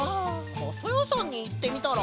かさやさんにいってみたら？